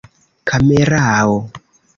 kamerao